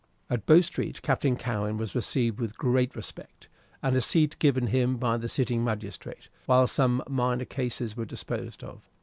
At Bow Street Captain Cowen was received with great respect, and a seat given him by the sitting magistrate while some minor cases were disposed of.